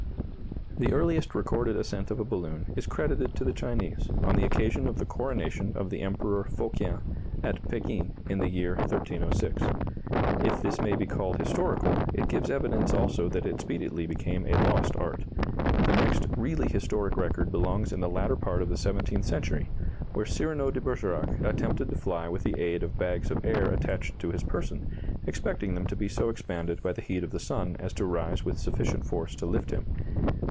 The earliest recorded ascent of a balloon is credited to the Chinese, on the occasion of the coronation of the Emperor Fo Kien at Pekin in the year 1306. If this may be called historical, it gives evidence also that it speedily became a lost art. The next really historic record belongs in the latter part of the seventeenth century, when Cyrano de Bergerac attempted to fly with the aid of bags of air attached to his person, expecting them to be so expanded by the heat of the sun as to rise with sufficient force to lift him.